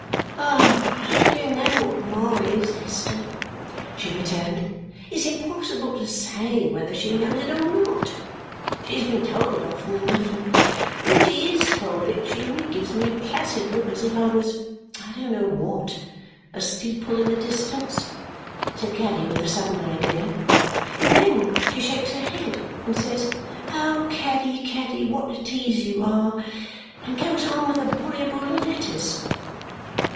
"Oh! You know what Ma is, Esther," she returned. "It's impossible to say whether she knows it or not. She has been told it often enough; and when she IS told it, she only gives me a placid look, as if I was I don't know what a steeple in the distance," said Caddy with a sudden idea; "and then she shakes her head and says 'Oh, Caddy, Caddy, what a tease you are!' and goes on with the Borrioboola letters."